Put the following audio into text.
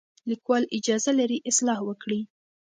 لیکوال اجازه لري اصلاح وکړي.